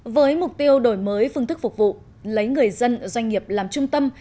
với mục tiêu đổi mới phương thức phục vụ lấy người dân doanh nghiệp làm trung tâm